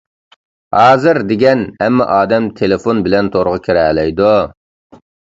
ھازىر دېگەن ھەممە ئادەم تېلېفون بىلەن تورغا كىرەلەيدۇ.